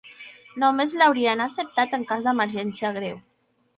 Només l'haurien acceptat en cas d'emergència greu.